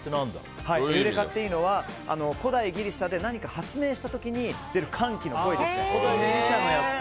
エウレカっていうのは古代ギリシャで何か発明した時に出る歓喜の声です。